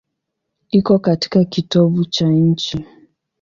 Iko katika kitovu cha nchi.